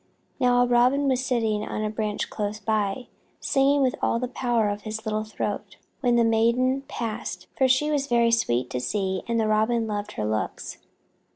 Now a Robin was sitting on a branch close by, singing with all the power of his little throat when the maiden passed, for she was very sweet to see and the Robin loved her looks.